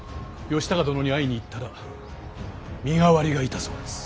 義高殿に会いに行ったら身代わりがいたそうです。